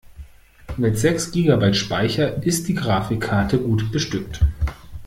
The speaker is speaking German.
Mit sechs Gigabyte Speicher ist die Grafikkarte gut bestückt.